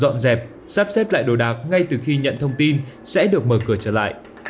họ đã lấy lại hết máy móc dọn dẹp sắp xếp lại đồ đạc ngay từ khi nhận thông tin sẽ được mở cửa trở lại